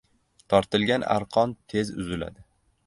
• Tortilgan arqon tez uziladi.